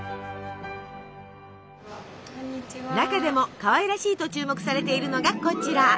中でもかわいらしいと注目されているのがこちら。